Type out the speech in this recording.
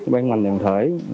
ban ngành đoàn thể